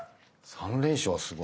３連勝はすごい。